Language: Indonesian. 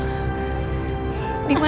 di manapun dia berada